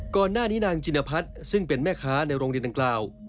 ก่อนหน้านี้นางจิณภัทรซึ่งเป็นแม่ค้าในโรงเรียนตังคราว